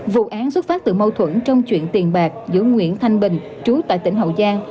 vụ án xuất phát từ mâu thuẫn trong chuyện tiền bạc giữa nguyễn thanh bình trú tại tỉnh hậu giang